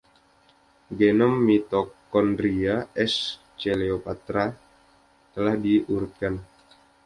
Genom mitokondria "S. coleoptrata" telah diurutkan.